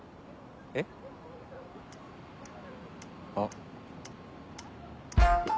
えっ？あっ。